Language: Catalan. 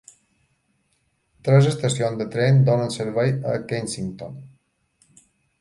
Tres estacions de tren donen servei a Kensington.